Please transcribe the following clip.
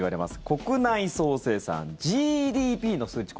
国内総生産・ＧＤＰの数値